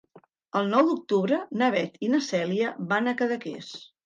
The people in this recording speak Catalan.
El nou d'octubre na Beth i na Cèlia van a Cadaqués.